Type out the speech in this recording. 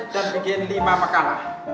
dan bikin lima makalah